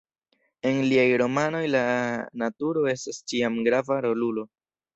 En liaj romanoj la naturo estas ĉiam grava rolulo.